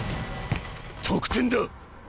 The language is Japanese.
得点だ！